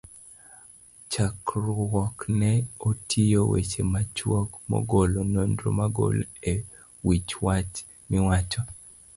chakruokne oting'o weche machuok, magolo nonro malongo e wich wach miwach?